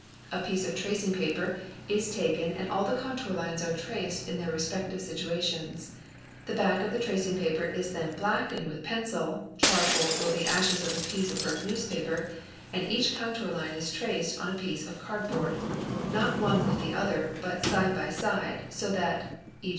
A piece of tracing paper is taken and all the contour lines are traced in their respective situa — is. & y __|| tions. The back of the tracing | yp paper is then blackened with a eh | pencil, charcoal, or the ashes of c a piece of burnt newspaper, and — sons A c each contour line is traced on ; C . al ye ent a pie of card board, ne one Fig. 86 within the other but side by base side, so that, e.